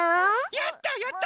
やったやった！